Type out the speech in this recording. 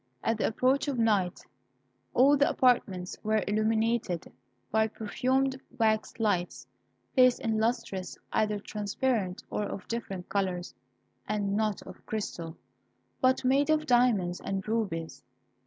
At the approach of night, all the apartments were illuminated by perfumed wax lights, placed in lustres either transparent or of different colours, and not of crystal, but made of diamonds and rubies.